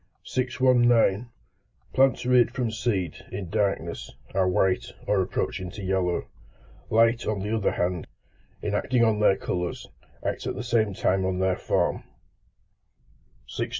619. Plants reared from seed, in darkness, are white, or approaching to yellow. Light, on the other hand, in acting on their colours, acts at the same time on their form. 620.